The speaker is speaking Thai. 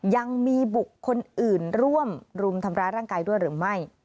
ยังมีบุคคลอื่นร่วมรุมทำร้ายร่างกายด้วยหรือไม่